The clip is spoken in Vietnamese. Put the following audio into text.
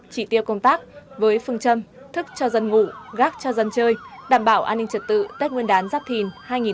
chỉ tiêu công tác với phương châm thức cho dân ngủ gác cho dân chơi đảm bảo an ninh trật tự tết nguyên đán giáp thìn hai nghìn hai mươi bốn